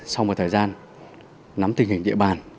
sau một thời gian nắm tình hình địa bàn